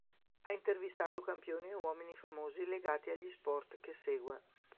Ha intervistato campioni e uomini famosi legati agli sport che segue.